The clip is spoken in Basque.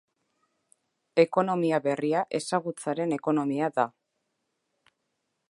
Ekonomia berria ezagutzaren ekonomia da.